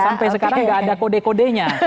sampai sekarang nggak ada kode kodenya